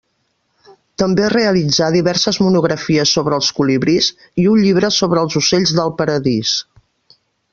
També realitzà diverses monografies sobre els colibrís i un llibre sobre els ocells del paradís.